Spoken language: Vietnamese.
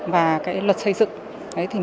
và luật xây dựng